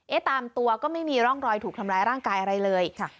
ตามตัวก็ไม่มีร่องรอยถูกทำร้ายร่างกายอะไรเลยค่ะ